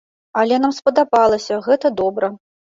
Але нам спадабалася, гэта добра.